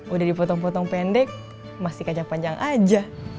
udah dipotong potong pendek masih kacang panjang aja